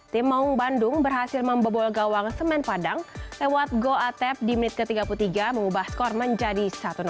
tim maung bandung berhasil membobol gawang semen padang lewat go atep di menit ke tiga puluh tiga mengubah skor menjadi satu enam